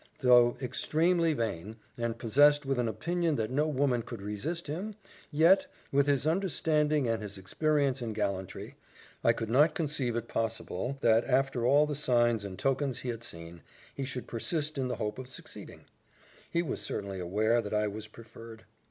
Though extremely vain, and possessed with an opinion that no woman could resist him, yet, with his understanding and his experience in gallantry, I could not conceive it possible that, after all the signs and tokens he had seen, he should persist in the hope of succeeding; he was certainly aware that I was preferred.